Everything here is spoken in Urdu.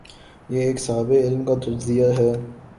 یہ ایک صاحب علم کا تجزیہ ہے۔